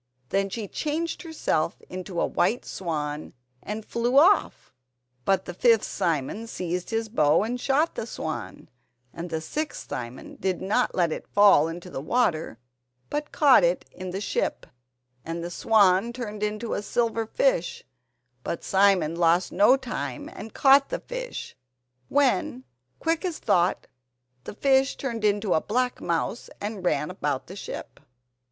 Then she changed herself into a white swan and flew off. But the fifth Simon seized his bow and shot the swan, and the sixth Simon did not let it fall into the water but caught it in the ship, and the swan turned into a silver fish, but Simon lost no time and caught the fish, when, quick as thought, the fish turned into a black mouse and ran about the ship.